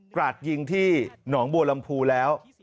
ราดยิงที่หนองบัวลำพูแล้ว